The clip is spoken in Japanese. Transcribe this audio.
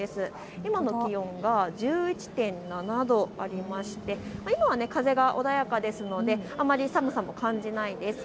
今の気温が１１．７度ありまして、今は風が穏やかですのであまり寒さも感じないです。